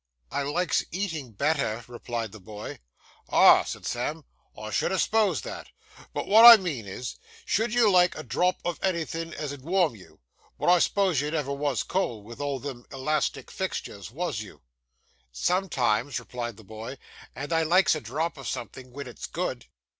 'I likes eating better,' replied the boy. 'Ah,' said Sam, 'I should ha' s'posed that; but what I mean is, should you like a drop of anythin' as'd warm you? but I s'pose you never was cold, with all them elastic fixtures, was you?' 'Sometimes,' replied the boy; 'and I likes a drop of something, when it's good.